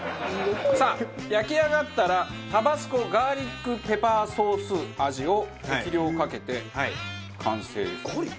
さあ焼き上がったらタバスコガーリックペパーソース味を適量かけて完成です。